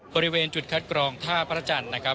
บริเวณจุดคัดกรองท่าพระจันทร์นะครับ